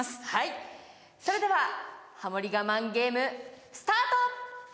それでは、ハモリ我慢ゲーム、スタート！